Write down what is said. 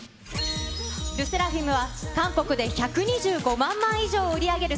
ＬＥＳＳＥＲＡＦＩＭは韓国で１２５万枚以上を売り上げる